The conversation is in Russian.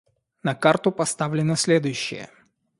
На карту поставлено следующее.